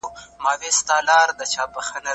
په غومبر یې وه سینه را پړسولې